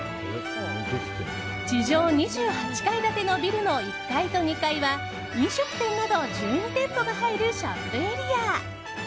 地上２８階建てのビルの１階と２階は飲食店など１２店舗が入るショップエリア。